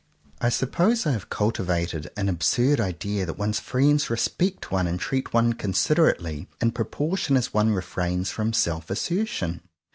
I suppose I have cultivated an absurd idea that one's friends respect one and treat one considerately, in proportion as one refrains from self assertion.